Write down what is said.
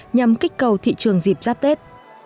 nhằm kích cầu thị trường dịp giáp tết